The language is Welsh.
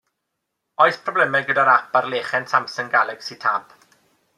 Oes problemau gyda'r ap ar lechen Samsung Galaxy Tab?